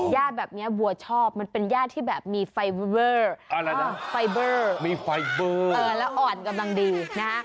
ย่าแบบนี้วัวชอบมันเป็นย่าที่แบบมีไฟเวอร์อะไรนะไฟเบอร์มีไฟเบอร์แล้วอ่อนกำลังดีนะฮะ